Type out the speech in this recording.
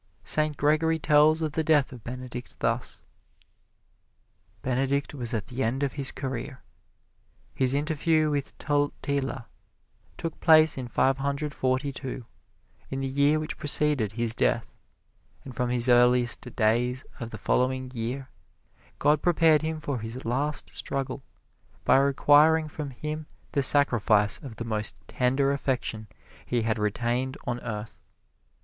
Saint Gregory tells of the death of Benedict thus: Benedict was at the end of his career. His interview with Totila took place in Five Hundred Forty two, in the year which preceded his death; and from his earliest days of the following year, God prepared him for his last struggle, by requiring from him the sacrifice of the most tender affection he had retained on earth.